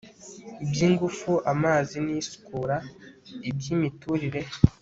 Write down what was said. by'ingufu, amazi n' isukura, iby'imiturire